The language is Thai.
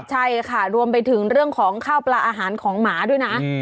ใช่ค่ะรวมไปถึงเรื่องของข้าวปลาอาหารของหมาด้วยนะ